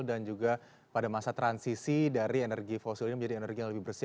dan juga pada masa transisi dari energi fosil ini menjadi energi yang lebih bersih